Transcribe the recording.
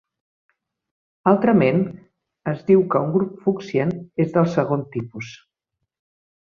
Altrament, es diu que un grup Fuchsian és del segon tipus.